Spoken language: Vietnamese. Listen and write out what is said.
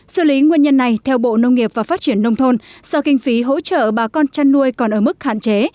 xử lý nguyên nhân này theo bộ nông nghiệp và phát triển nông thôn do kinh phí hỗ trợ bà con chăn nuôi còn ở mức hạn chế